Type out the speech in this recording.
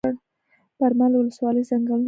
برمل ولسوالۍ ځنګلونه لري؟